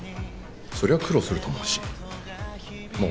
そりゃあ苦労すると思うしまあ